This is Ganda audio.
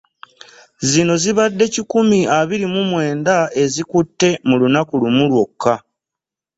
Zino zibadde kikumi abiri mu mwenda ezikutte mu lunaku lumu lwokka.